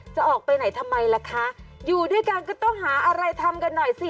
จะออกไปไหนทำไมล่ะคะอยู่ด้วยกันก็ต้องหาอะไรทำกันหน่อยสิ